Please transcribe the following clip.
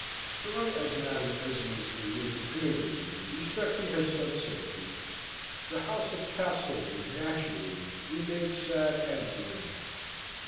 Strong as Madam Esmond's belief appeared to be respecting her son's safety, the house of Castlewood naturally remained sad and gloomy.